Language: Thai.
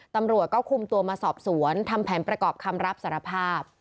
ตำรวจก็คุมตัวมาสอบสวนทำแผนประกอบคำรับสารภาพ